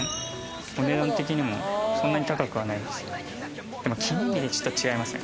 お値段的にもそんなに高くはないですよね。